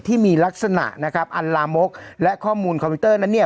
ที่มีลักษณะนะครับอัลลามกและข้อมูลคอมพิวเตอร์นั้นเนี่ย